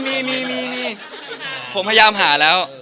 ผมพยายามหาแล้ว